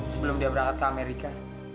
sebelum dia berangkat ke amerika